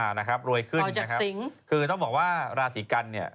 นะครับรวยขึ้นนะครับสิงคือต้องบอกว่าราศีกันเนี่ย